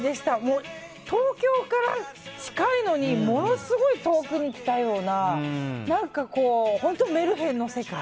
東京から近いのにものすごい遠くに来たような何か、本当メルヘンの世界。